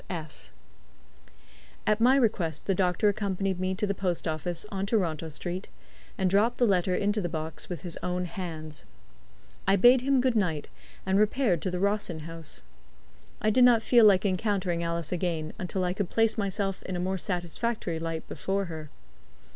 W. F. F." At my request the doctor accompanied me to the Post office, on Toronto Street, and dropped the letter into the box with his own hands. I bade him good night, and repaired to the Rossin House. I did not feel like encountering Alice again until I could place myself in a more satisfactory light before her.